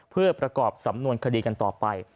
เพื่อประกอบสำนวนคดีกันต่อไป